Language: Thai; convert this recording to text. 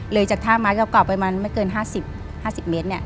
จากท่าไม้เก่าไปมันไม่เกิน๕๐เมตรเนี่ย